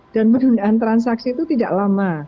dan penundaan transaksi itu tidak lama